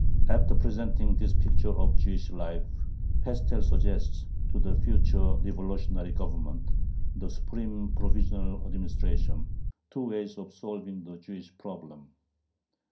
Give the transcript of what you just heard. After presenting this picture of Jewish life, Pestel suggests to the future revolutionary Government ("The Supreme Provisional Administration") two ways of solving the Jewish problem.